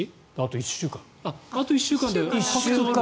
あと１週間。